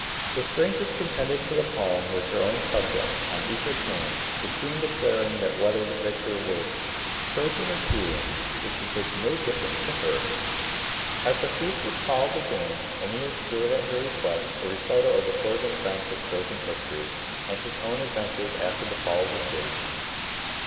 The strangers contended for the palm with her own subjects, on equal terms, the queen declaring that whether the victor were "Trojan or Tyrian should make no difference to her." [Footnote 1: See Proverbial Expressions.] At the feast which followed the games, Aeneas gave at her request a recital of the closing events of the Trojan history and his own adventures after the fall of the city.